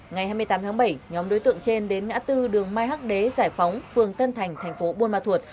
ngày hai mươi tám tháng bảy nhóm đối tượng trên đến ngã tư đường mai hắc đế giải phóng phường tân thành thành phố buôn ma thuột